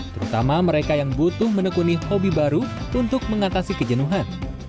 terutama mereka yang butuh menekuni hobi baru untuk mengatasi kejenuhan